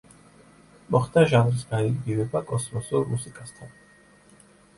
მოხდა ჟანრის გაიგივება კოსმოსურ მუსიკასთან.